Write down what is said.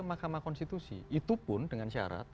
mahkamah konstitusi itu pun dengan syarat